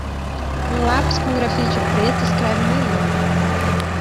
Um lápis com grafite preto escreve melhor.